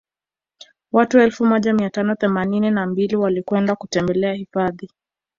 Watu elfu moja mia tano themanini na mbili walikwenda kutembela hifadhi